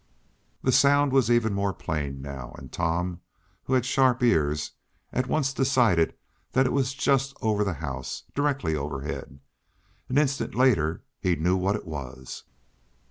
The sound was even more plain now, and Tom, who had sharp ears, at once decided that it was just over the house directly overhead. An instant later he knew what it was.